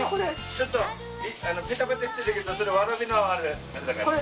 ちょっとベタベタしてるけどそれワラビのあれだから。